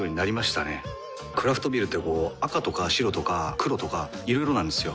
クラフトビールってこう赤とか白とか黒とかいろいろなんですよ。